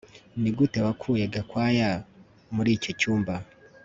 Nigute wakuye Gakwaya muri icyo cyumba